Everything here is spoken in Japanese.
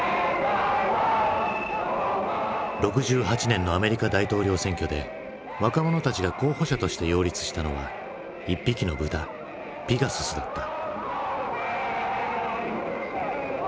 ６８年のアメリカ大統領選挙で若者たちが候補者として擁立したのは一匹の豚ピガススだった。